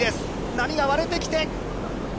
波が割れてきて。